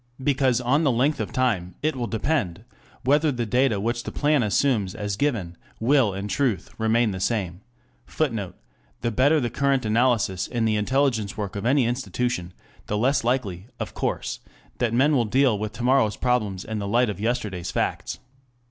Because on the length of time it will depend whether the data which the plan assumes as given, will in truth remain the same. [Footnote: The better the current analysis in the intelligence work of any institution, the less likely, of course, that men will deal with tomorrow's problems in the light of yesterday's facts.